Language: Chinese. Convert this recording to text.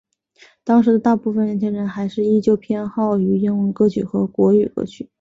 当时的大部份年轻人还是依旧偏好于英文歌曲和国语歌曲。